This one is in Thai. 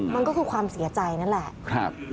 มันก็คือความเสียใจนั่นแหละ